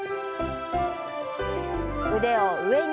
腕を上に。